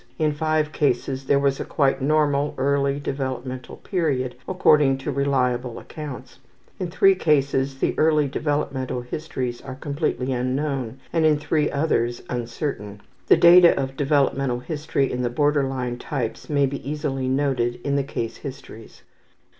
In 5 cases there was a quite normal early developmental period, according to reliable accounts. In 3 cases the early developmental histories are completely unknown, and in 3 others uncertain. The data of developmental history in the border line types may be easily noted in the case histories.